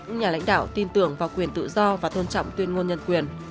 những nhà lãnh đạo tin tưởng vào quyền tự do và tôn trọng tuyên ngôn nhân quyền